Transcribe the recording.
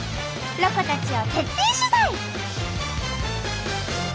ロコたちを徹底取材！